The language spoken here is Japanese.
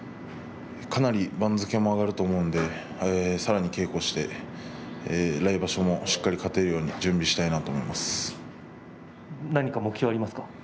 かなり番付も上がると思うのでさらに稽古して来場所も、しっかり勝てるように何か目標はありますか？